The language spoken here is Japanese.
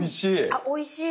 あおいしい！